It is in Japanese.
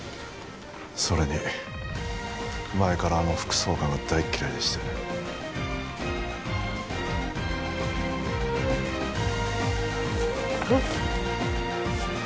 それに前からあの副総監が大っ嫌いでしてえっ？